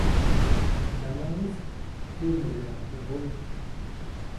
Teʼ ŋganaʼŋis kyäŋʼäbyanaʼajk teʼ ŋgomi.